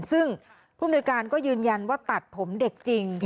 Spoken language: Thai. ซึ่งผู้มนุยการก็ยืนยันว่าตัดผมเด็กจริง